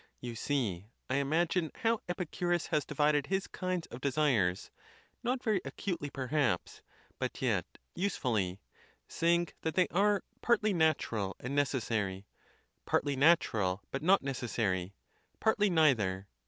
You see, I imagine, how Epicurus has divided his kinds of desires, not very acutely perhaps, but yet use fully: saying that they are " partly natural and necessary ; partly natural, but not necessary; partly neither.